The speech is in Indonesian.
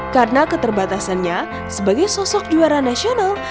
karena keterbatasannya sebagai sosok juara nasional